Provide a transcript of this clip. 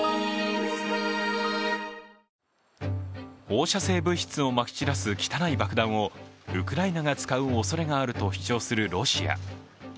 放射性物質をまきちらす汚い爆弾をウクライナが使うおそれがあると主張するロシア。